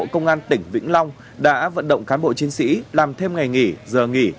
công an tỉnh vĩnh long đã vận động cán bộ chiến sĩ làm thêm ngày nghỉ giờ nghỉ